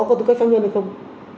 có tư cách phạm nhân hay không